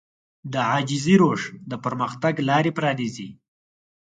د عاجزي روش د پرمختګ لارې پرانيزي.